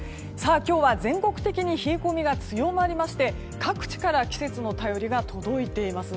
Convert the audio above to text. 今日は全国的に冷え込みが強まりまして各地から季節の便りが届いています。